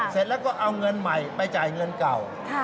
เสร็จแล้วก็เอาเงินใหม่ไปจ่ายเงินเก่า